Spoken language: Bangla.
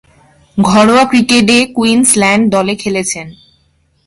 ঘরোয়া ক্রিকেটে কুইন্সল্যান্ড দলে খেলেছেন।